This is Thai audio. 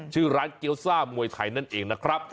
ชื่อร้านเกี้ยวซ่ามวยไทยนั่นเองนะครับ